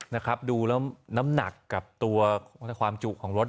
นะครับดูแล้วน้ำหนักกับตัวความจุของรถ